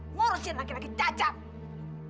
ngurusin laki laki cacat